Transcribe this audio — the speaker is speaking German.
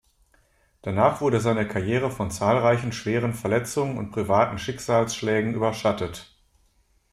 Danach wurde seine Karriere von zahlreichen schweren Verletzungen und privaten Schicksalsschlägen überschattet.